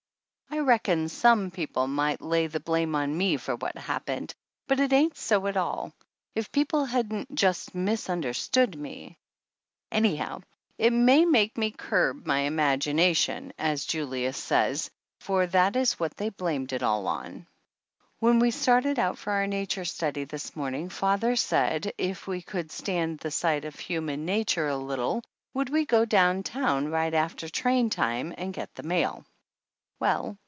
I reckon some people might lay the blame on me for what happened, but it ain't so at all, if people hadn't just misunderstood me. Anyhow, it may make me "curb my imagination," as 155 THE ANNALS OF ANN Julius says, for that is what they blamed it all on. When we started out for our nature study this morning father said if we could stand the sight of human nature a little would we go down town right after train time and get the mail?